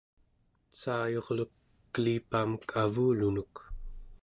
saayurluk kelipamek avulunuk